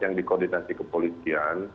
yang dikoordinasi kepolisian